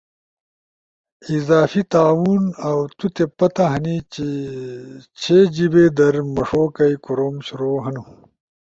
اضافی تعاون، اؤ تو تے پتہ ہنی چھے جیب در مݜو کئی کوروم شروع ہنو